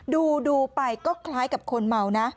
ดูไปก็คล้ายกับคนเมานะ